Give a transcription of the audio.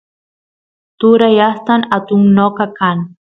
turay astan atun noqa kan